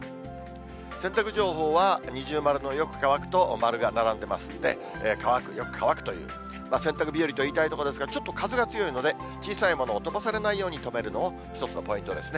洗濯情報は二重丸のよく乾くと丸が並んでますんで、乾く、よく乾くという、洗濯日和と言いたいところですが、ちょっと風が強いので、小さいものを飛ばされないように留めるのも１つのポイントですね。